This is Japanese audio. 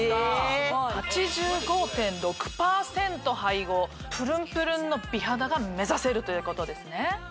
８５．６％配合プルンプルンの美肌が目指せるということですね